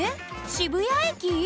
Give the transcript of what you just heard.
渋谷駅？